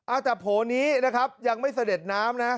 อ้าจับโห้นี้นะครับยังไม่เสด็จน้ำนะ